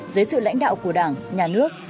dưới sự lãnh đạo của đảng nhà nước